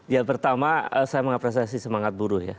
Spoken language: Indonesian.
ya pertama saya mengapresiasi semangat buruh ya